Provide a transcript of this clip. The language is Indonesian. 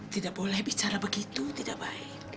tidak boleh bicara begitu tidak baik